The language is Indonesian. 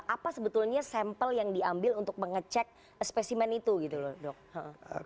apa sebetulnya sampel yang diambil untuk mengecek spesimen itu gitu loh dok